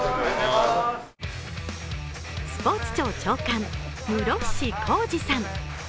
スポーツ庁長官・室伏広治さん。